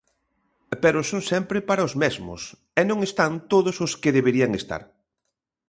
Pero son sempre para os mesmos, e non están todos os que deberían estar.